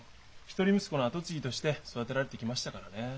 一人息子の跡継ぎとして育てられてきましたからねえ。